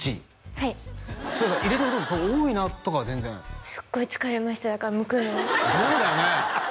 はいそれさ入れてる時多いなとかは全然すっごい疲れましただからむくのそうだよね